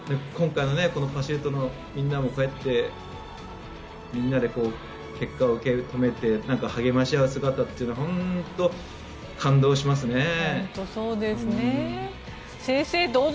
今回のパシュートのみんなもこうやってみんなで結果を受け止めて励まし合う姿というのは本当に感動しますね。